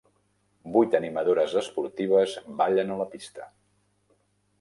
Vuit animadores esportives ballen a la pista.